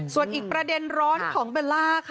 ส่วนอีกประเด็นร้อนของเบลล่าค่ะ